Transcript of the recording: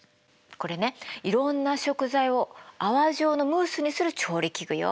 これねいろんな食材を泡状のムースにする調理器具よ。